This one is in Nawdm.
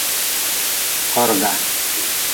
Korga.